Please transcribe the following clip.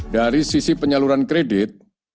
dari sisi penyaluran kredit